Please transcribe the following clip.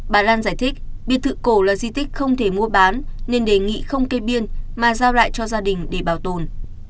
bà lan giải thích biệt thự cổ là di tích không thể mua bán nên đề nghị không kê biên mà giao lại cho gia đình để bảo tồn